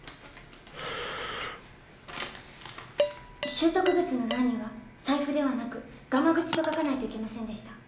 拾得物の欄には財布ではなくがまぐちと書かないといけませんでした。